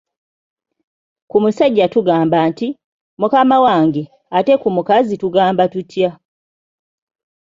Ku musajja tugamba nti, mukama wange ate ku mukazi tugamba tutya?